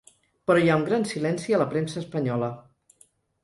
Però hi ha un gran silenci a la premsa espanyola.